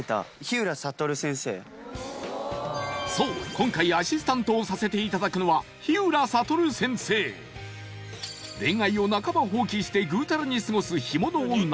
今回アシスタントをさせていただくのは恋愛を半ば放棄してぐうたらに過ごす干物女